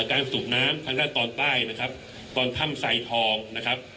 การสูบน้ำทางด้านตอนใต้นะครับตอนถ้ำไซทองนะครับ